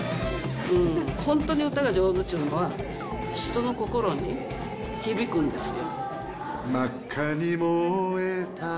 本当に歌が上手っちゅうのは、人の心に響くんですよ。